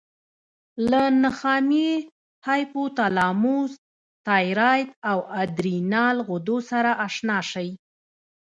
له نخامیې، هایپوتلاموس، تایرایډ او ادرینال غدو سره آشنا شئ.